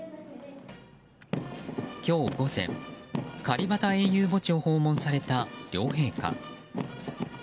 今日午前、カリバタ英雄墓地を訪問された両陛下。